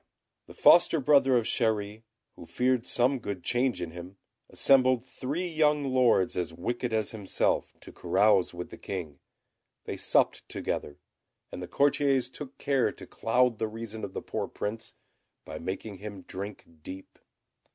The foster brother of Chéri, who feared some good change in him, assembled three young lords as wicked as himself to carouse with the King. They supped together; and the courtiers took care to cloud the reason of the poor Prince, by making him drink deep.